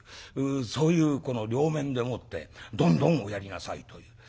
そういうこの両面でもって「どんどんおやりなさい」という。